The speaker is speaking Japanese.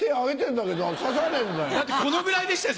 だってこのぐらいでしたよ